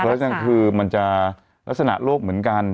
ไอ้โรคเพิร์ชนั่นคือมันจะลักษณะโรคเหมือนกัน